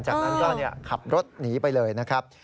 จากนั้นก็ขับรถหนีไปเลยนะครับ